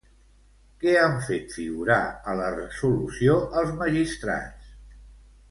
Què han fet figurar a la resolució els magistrats?